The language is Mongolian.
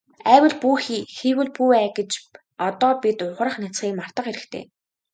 АЙвал бүү хий, хийвэл бүү ай гэж одоо бид ухрах няцахыг мартах хэрэгтэй.